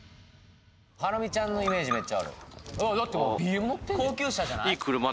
ハラミちゃんのイメージめっちゃあるだってＢＭ乗ってんで高級車じゃない？